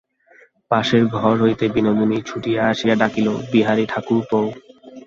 পাশের ঘর হইতে বিনোদিনী ছুটিয়া আসিয়া ডাকিল, বিহারী-ঠাকুরপো!